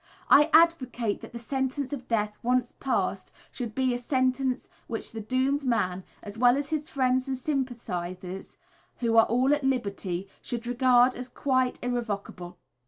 I advocate that the sentence of death, once passed, should be a sentence which the doomed man, as well as his friends and sympathisers who are still at liberty, should regard as quite irrevocable.